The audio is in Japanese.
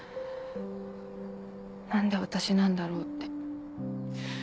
何で私なんだろうって。